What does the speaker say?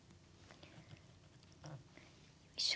よいしょ。